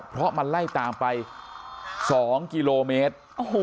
เพราะมันไล่ตามไป๒กิโลเมตร